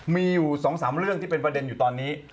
มีอยู่๒๓เรื่องที่เป็นประเด็นอยู่ตอนนี้